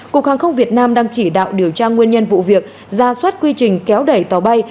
cục hàng không việt nam đang chỉ đạo điều tra nguyên nhân vụ việc ra soát quy trình kéo đẩy tàu bay